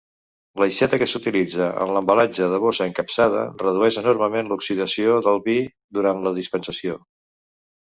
L'aixeta que s'utilitza en l'embalatge de bossa encapsada redueix enormement l'oxidació del vi durant la dispensació.